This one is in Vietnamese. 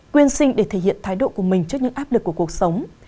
quyên sinh để thể hiện thái độ của mình trước những áp lực của cuộc sống